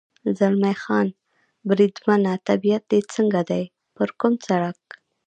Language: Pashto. زلمی خان: بریدمنه، طبیعت دې څنګه دی؟ پر کوم سړک.